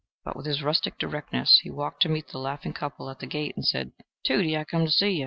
But with his rustic directness he walked to meet the laughing couple at the gate, and said, "Tudie, I come to see you.